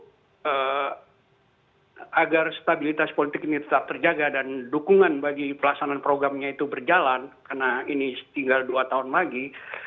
untuk agar stabilitas politik ini tetap terjaga dan dukungan bagi pelaksanaan programnya itu berjalan karena ini tinggal dua tahun lagi